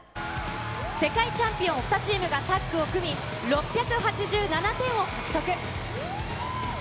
世界チャンピオン２チームがタッグを組み、６８７点を獲得。